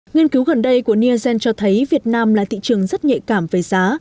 nghiên cứu gần đây của nielsen cho thấy việt nam là thị trường rất nhạy cảm về giá